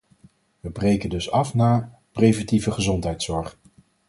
We breken dus af na “preventieve gezondheidszorg”.